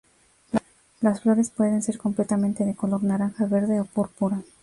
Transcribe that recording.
Las flores pueden ser completamente de color naranja, verde o púrpura.